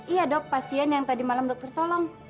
iya dok pasien yang tadi malam dokter tolong